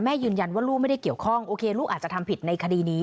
ยืนยันว่าลูกไม่ได้เกี่ยวข้องโอเคลูกอาจจะทำผิดในคดีนี้